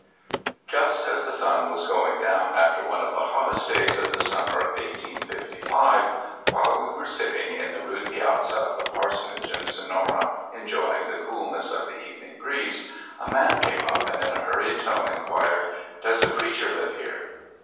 JUST as the sun was going down, after one of the hottest days of the summer of 1855, while we were sitting in the rude piazza of the parsonage in Sonora, enjoying the cool ness of the evening breeze, a man came up, and in a hurried tone inquired: "Does the preacher live here?